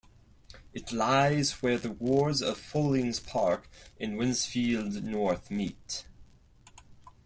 It lies where the wards of Fallings Park and Wednesfield North meet.